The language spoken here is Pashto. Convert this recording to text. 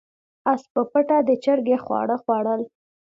اس په پټه د چرګې خواړه خوړل.